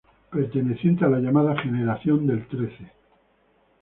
Perteneciente a la llamada "Generación del Trece".